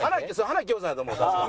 花紀京さんやと思う確か。